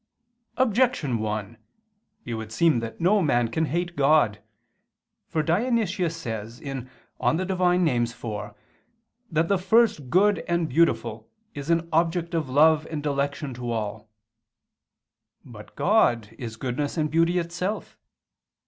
Objection 1: It would seem that no man can hate God. For Dionysius says (Div. Nom. iv) that "the first good and beautiful is an object of love and dilection to all." But God is goodness and beauty itself.